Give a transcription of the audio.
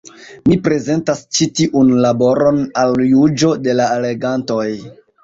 Mi prezentas ĉi tiun laboron al juĝo de la legantoj.